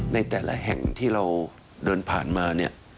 ในแต่ละแห่งที่เราเดินผ่านมาเนี่ย